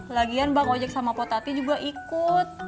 lagian bang ojek sama potati juga ikut